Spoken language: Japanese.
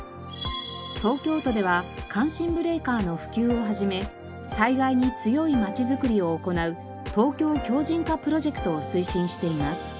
東京都では感震ブレーカーの普及を始め災害に強いまちづくりを行うＴＯＫＹＯ強靱化プロジェクトを推進しています。